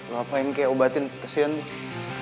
lo apain kayak obatin kesian tuh